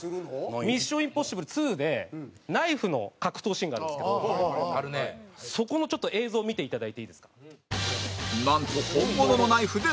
『ミッション：インポッシブル２』でナイフの格闘シーンがあるんですけどそこのちょっと映像を見ていただいていいですか。